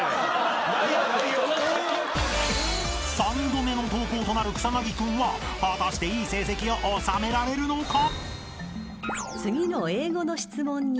［３度目の登校となる草薙君は果たしていい成績を収められるのか？］